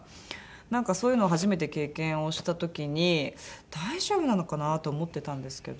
なんかそういうのを初めて経験をした時に大丈夫なのかなと思ってたんですけど。